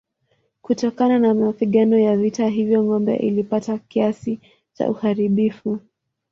Kutokana na mapigano ya vita hivyo ngome ilipata kiasi cha uharibifu.